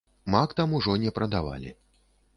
Мак там ужо не прадавалі.